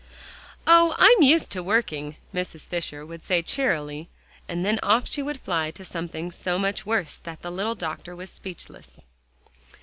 "Oh! I'm used to working," Mrs. Fisher would say cheerily, and then off she would fly to something so much worse that the little doctor was speechless.